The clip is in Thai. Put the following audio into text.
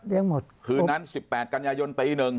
เลี้ยงหมดคืนนั้น๑๘กันยายนตรี๑